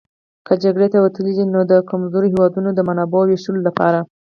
که جګړې ته وتلي دي نو د کمزورو هېوادونو د منابعو وېشلو لپاره.